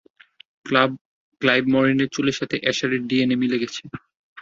Clive মরিনের চুলের সাথে এশারের ডিএনএ মিলে গেছে।